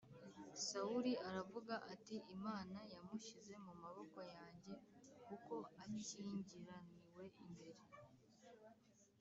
Sawuli aravuga ati “Imana yamushyize mu maboko yanjye kuko akingiraniwe imbere